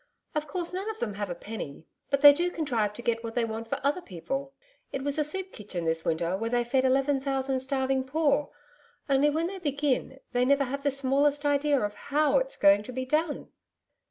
Of course none of them have a penny. But they do contrive to get what they want for other people it was a soup kitchen this winter where they fed 11,000 starving poor. Only, when they begin, they never have the smallest idea of HOW it's going to be done.'